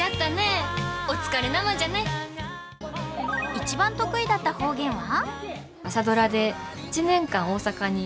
一番得意だった方言は？